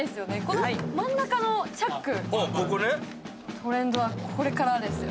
トレンドはこれからですよ。